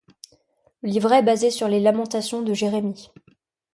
Le livret est basé sur les lamentations de Jérémie.